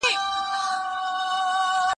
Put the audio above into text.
د رڼا پل اخلي او بیا راځي